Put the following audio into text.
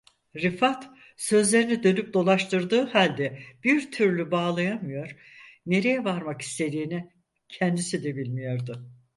Rifat, sözlerini dönüp dolaştırdığı halde bir türlü bağlayamıyor, nereye varmak istediğini, kendisi de bilmiyordu.